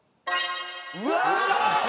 うわ！